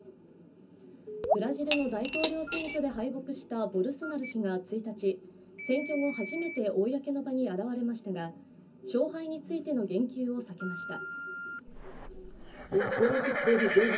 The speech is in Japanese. ブラジルの大統領選挙で敗北したボルソナロ氏が１日、選挙後初めて公の場に現れましたが、勝敗についての言及を避けました。